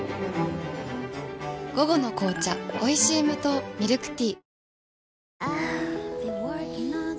午後の紅茶おいしい無糖ミルクティー